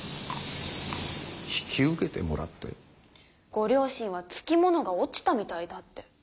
ご両親は「つきものが落ちたみたいだ」って。